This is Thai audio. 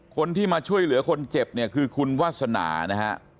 คนที่มาช่วยเหลือคนเจ็บเนี่ยคือคุณวาสนานะฮะ